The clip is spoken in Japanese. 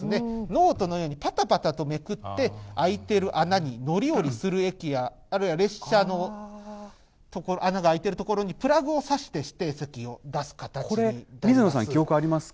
ノートのように、ぱたぱたとめくって、開いてる穴に乗り降りする駅や、あるいは列車の、穴が開いている所にプラグを差して、指定席を出す形になります。